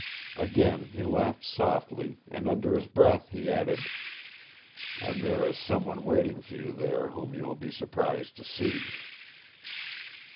Again he laughed softly, and under his breath he added, "And there is some one waiting for you there whom you will be surprised to see!"